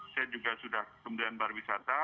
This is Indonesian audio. saya juga sudah kemudian berwisata